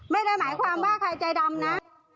ไม่ได้หมายความว่าใครใจดำนะ